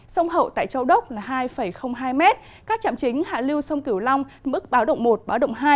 sông hậu tại châu đốc là hai hai m các trạm chính hạ lưu sông kiểu long mức báo động một báo động hai